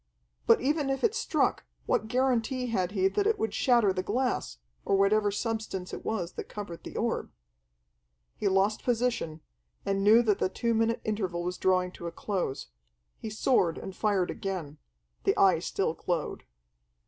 But even if it struck, what guarantee had he that it would shatter the glass, or whatever substance it was that covered the orb? He lost position, and knew that the two minute interval was drawing to a close. He soared and fired again. The Eye still glowed.